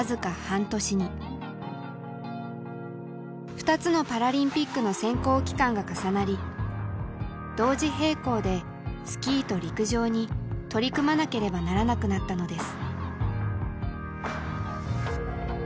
２つのパラリンピックの選考期間が重なり同時並行でスキーと陸上に取り組まなければならなくなったのです。